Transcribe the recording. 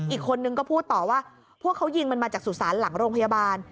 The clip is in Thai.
อีกคนนึงก็พูดต่อว่าพวกเขายิงมันมาจากสุสานหลังโรงพยาบาล